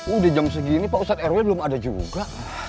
udah jam segini pak ustadz rw belum ada juga